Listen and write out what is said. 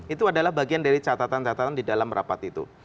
itu adalah bagian dari catatan catatan di dalam rapat itu